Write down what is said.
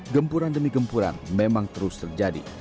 gempuran demi gempuran memang terus terjadi